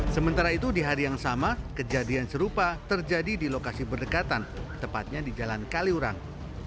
sementara itu di hari yang sama kejadian serupa terjadi di lokasi berdekatan tepatnya di jalan kaliurang